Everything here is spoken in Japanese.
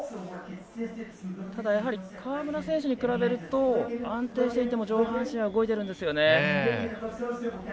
やはり川村選手に比べると安定していても上半身は動いているんですよね。